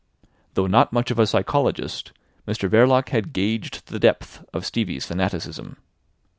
Though not much of a psychologist, Mr Verloc had gauged the depth of Stevie's fanaticism.